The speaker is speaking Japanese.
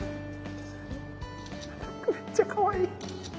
むっちゃかわいい。